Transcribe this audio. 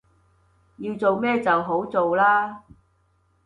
要做咩就好做喇